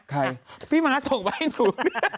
ข้าเห็นตน๙๕๒